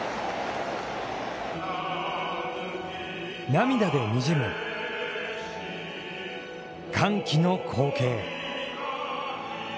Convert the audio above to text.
涙でにじむ歓喜の光景。